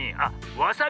わさび！